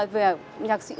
về nhạc sĩ